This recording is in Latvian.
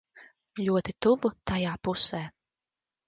Ļoti tuvu tajā pusē.